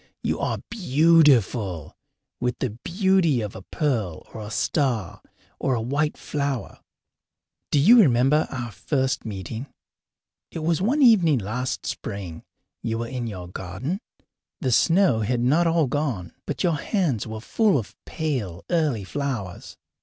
You are beautiful, with the beauty of a pearl or a star or a white flower. Do you remember our first meeting? It was one evening last spring. You were in your garden. The snow had not all gone, but your hands were full of pale, early flowers.